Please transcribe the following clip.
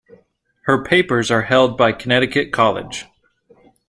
Her papers are held by Connecticut College.